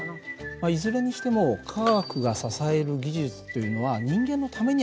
まあいずれにしても科学が支える技術というのは人間のためにあるんだよね。